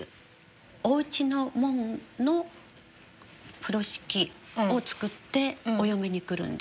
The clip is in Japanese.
おうちの紋の風呂敷を作ってお嫁に来るんです。